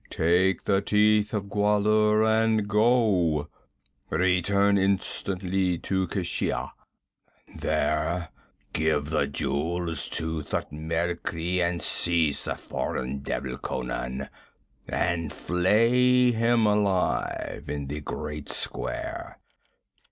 Take the Teeth of Gwahlur and go: return instantly to Keshia; there give the jewels to Thutmekri, and seize the foreign devil Conan and flay him alive in the great square.'